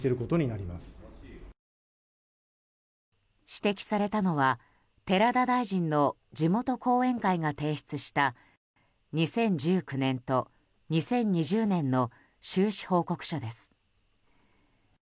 指摘されたのは寺田大臣の地元後援会が提出した２０１９年と２０２０年の収支報告書です。